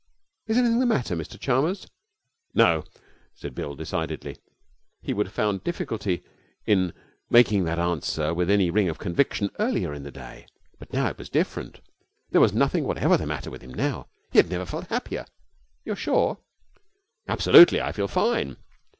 'Is anything the matter, Mr Chalmers?' 'No,' said Bill, decidedly. He would have found a difficulty in making that answer with any ring of conviction earlier in the day, but now it was different. There was nothing whatever the matter with him now. He had never felt happier. 'You're sure?' 'Absolutely. I feel fine.'